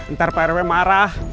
ntar pak herwi marah